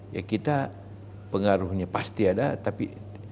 ya kita pengaruhnya pasti ada tapi